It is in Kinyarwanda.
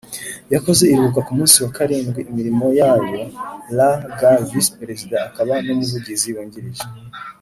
yakoze iruhuka ku munsi wa karindwi imirimo yayoL gal Visi perezida akaba n umuvugizi wungirije